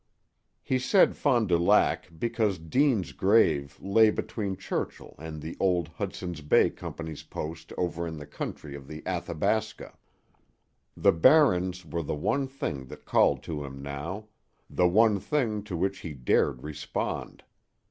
He said Fond du Lac because Deane's grave lay between Churchill and the old Hudson's Bay Company's post over in the country of the Athabasca. The Barrens were the one thing that called to him now the one thing to which he dared respond.